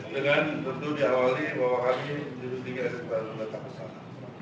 dengan tentu diawali bahwa kali ini di rundingi rss baru datang kesana